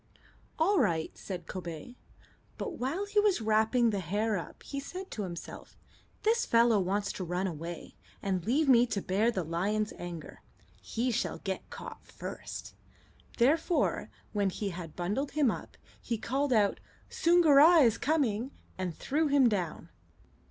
"All right," said Kobay; but while he was wrapping the hare up he said to himself: "This fellow wants to run away, and leave me to bear the lion's anger. He shall get caught first." Therefore, when he had bundled him up, he called out, "Soongoora is coming!" and threw him down.